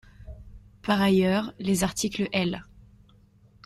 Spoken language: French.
Par ailleurs, les articles L.